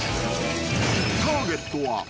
［ターゲットは］